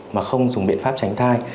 mà không dùng biện pháp tránh thai